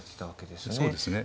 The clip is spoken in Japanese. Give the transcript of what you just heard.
そうですね。